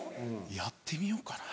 やってみようかな。